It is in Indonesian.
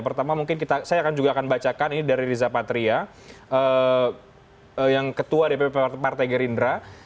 pertama mungkin saya akan juga akan bacakan ini dari riza patria yang ketua dpp partai gerindra